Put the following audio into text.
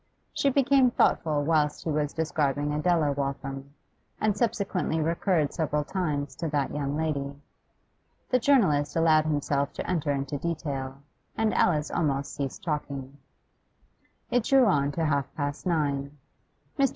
She became thoughtful whilst he was describing Adela Waltham, and subsequently recurred several times to that young lady. The journalist allowed himself to enter into detail, and Alice almost ceased talking. It drew on to half past nine. Mr.